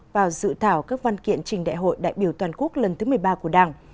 vào dự thảo các văn kiện trình đại hội đại biểu toàn quốc lần thứ một mươi ba của đảng